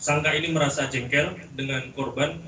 sangka ini merasa jengkel dengan korban